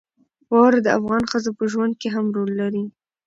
واوره د افغان ښځو په ژوند کې هم رول لري.